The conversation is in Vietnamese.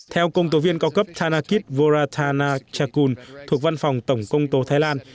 theo công tố viên cao cấp thanakit voratana chakun thuộc văn phòng tổng công tố thái lan